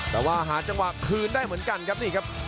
แต่ว่าหาจังหวะคืนได้เหมือนกันครับนี่ครับ